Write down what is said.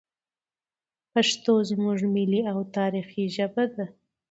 پښتو زموږ ملي او تاریخي ژبه ده.